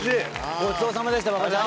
ごちそうさまでした馬場ちゃん。